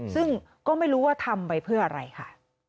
ซึ่งก็ไม่รู้ว่าทำไปเพื่ออะไรค่ะ